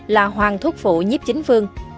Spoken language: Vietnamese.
là hoàng thúc phụ nhíp chính vương